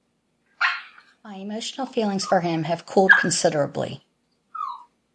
My emotional feelings for him have cooled considerably.